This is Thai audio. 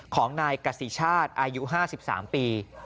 ของนายกษิชาติอายุ๕๓ปี